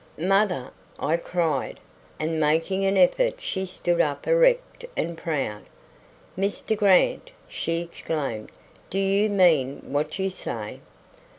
"Mother!" I cried; and making an effort she stood up erect and proud. "Mr Grant," she exclaimed, "do you mean what you say?"